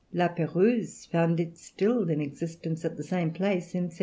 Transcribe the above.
La Pérouse found it still in existence at the same place in 1785.